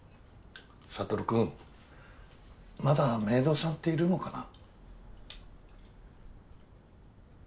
悟君まだメイドさんっているのかな？